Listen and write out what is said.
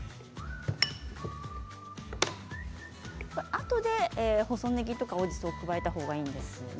あとで細ねぎや青じそを加えた方がいいんですね。